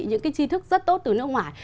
những cái chi thức rất tốt từ nước ngoài